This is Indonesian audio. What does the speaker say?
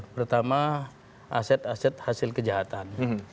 pertama aset aset hasil kejahatan